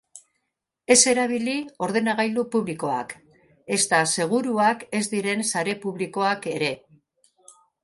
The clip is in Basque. Ez erabili ordenagailu publikoak, ezta seguruak ez diren sare publikoak ere.